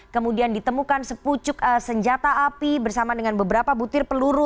kemudian ditemukan sepucuk senjata api bersama dengan beberapa butir peluru